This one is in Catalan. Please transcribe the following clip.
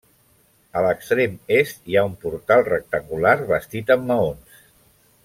A l'extrem est hi ha un portal rectangular bastit amb maons.